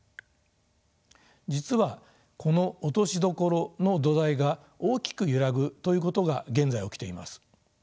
実はこの落としどころの土台が大きく揺らぐということが現在起きています。